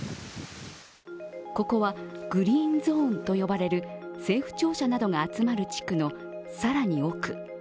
ここはグリーンゾーンと呼ばれる政府庁舎などが集まる地区の更に奥。